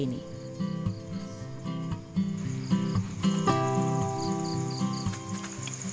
ini rasanya enak banget